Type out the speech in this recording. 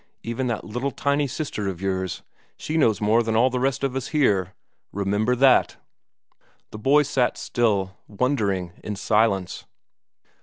Even that little tiny sister of yours, she knows more than all the rest of us here. Remember that!" The boys sat still, wondering in silence.